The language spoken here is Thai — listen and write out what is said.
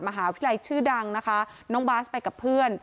มหาวิทยาลัยชื่อดังนะคะน้องบาสไปกับเพื่อน